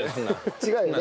違うよね？